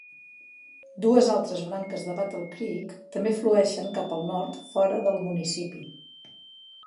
Dues altres branques de Battle Creek també flueixen cap al nord fora del municipi.